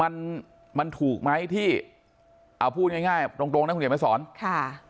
มันมันถูกไหมที่เอาพูดง่ายง่ายตรงตรงนะคุณเขียนมาสอนค่ะ